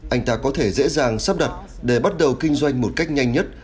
anh ta có thể dễ dàng sắp đặt để bắt đầu kinh doanh một cách nhanh nhất